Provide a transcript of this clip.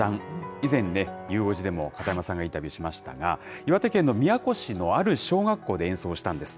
以前、ゆう５時でも片山さんがインタビューしましたが、岩手県の宮古市のある小学校で演奏したんです。